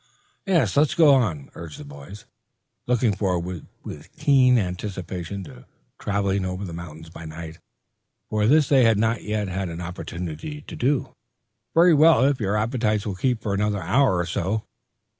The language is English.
"Yes; let's go on," urged the boys, looking forward with keen anticipation to traveling over the mountains by night, for this they had not yet had an opportunity to do. "Very well, if your appetites will keep for another hour or so.